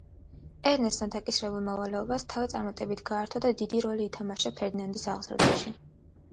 ერნესტმა დაკისრებულ მოვალეობას თავი წარმატებით გაართვა და დიდი როლი ითამაშა ფერდინანდის აღზრდაში.